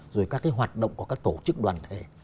rồi các cái hoạt động của các tổ chức đoàn thể